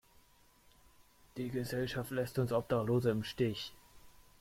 Die Gesellschaft lässt uns Obdachlose im Stich.